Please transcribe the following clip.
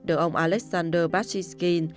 được ông alexander pachyshkin